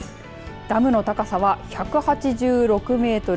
ダムの高さは１８６メートル